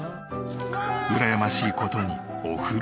うらやましい事にお風呂は。